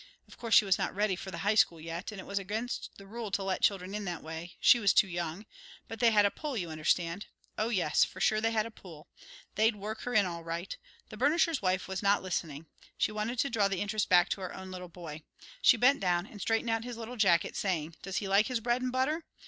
Of course she was not ready for the high school yet, and it was against the rule to let children in that way, she was too young, but they had a pull, you understand. Oh, yes, for sure they had a pull. They'd work her in all right. The burnisher's wife was not listening. She wanted to draw the interest back to her own little boy. She bent down and straightened out his little jacket, saying, "Does he like his bread 'n butter?